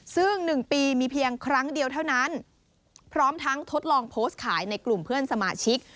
ซึ่ง๑ปีมีเพียงครั้งเดียวเท่านั้นพร้อมทั้งทดลองโพสต์ขายในกลุ่มเพื่อนสมาชิก